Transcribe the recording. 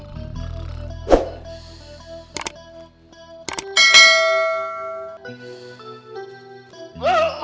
tidak kegev saya